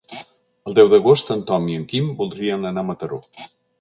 El deu d'agost en Tom i en Quim voldrien anar a Mataró.